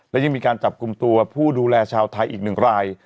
และยังมีการจับกลุ่มตัวผู้ดูแลชาวไทยอีกหนึ่งราย